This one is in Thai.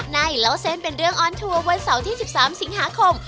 นายอีกแล้วเซ็นเป็นเรื่องออนทัวร์วันเสาร์ที่๑๓สิงหาคม